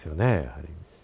やはり。